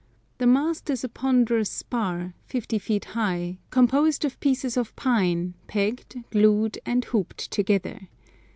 The mast is a ponderous spar, fifty feet high, composed of pieces of pine, pegged, glued, and hooped together.